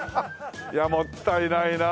いやもったいないな。